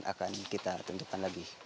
akan kita tentukan lagi